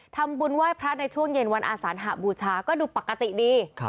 ทำบุญไหว้พระในช่วงเย็นวันอาสานหบูชาก็ดูปกติดี